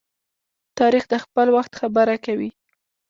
تاریخ د خپل وخت خبره کوي.